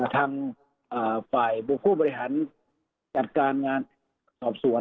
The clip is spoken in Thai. ทั้งฝ่ายบุคคลณ์บริหารจัดการงานของส่วน